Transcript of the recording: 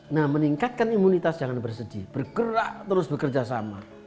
nah meningkatkan imunitas jangan bersedih bergerak terus bekerja sama